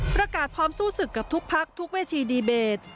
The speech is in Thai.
พร้อมสู้ศึกกับทุกพักทุกเวทีดีเบต